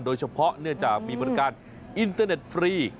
โดยเฉพาะเนื่องจากมีบริการอินเตอร์เน็ตฟรี